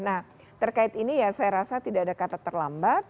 nah terkait ini ya saya rasa tidak ada kata terlambat